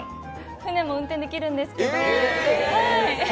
船も運転できるんですけど。